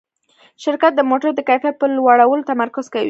شرکت د موټرو د کیفیت په لوړولو تمرکز کوي.